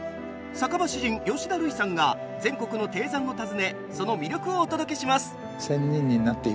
酒場詩人・吉田類さんが全国の低山を訪ねその魅力をお届けします。